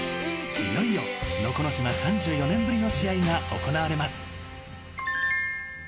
いよいよ能古島３４年ぶりの試合が行われます。